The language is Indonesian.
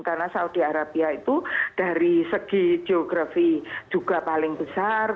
karena saudi arabia itu dari segi geografi juga paling besar